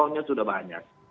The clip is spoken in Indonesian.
karena sudah banyak